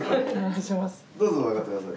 どうぞ上がってください。